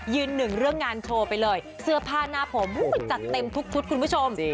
หนึ่งเรื่องงานโชว์ไปเลยเสื้อผ้าหน้าผมจัดเต็มทุกชุดคุณผู้ชม